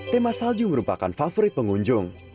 tema salju merupakan favorit pengunjung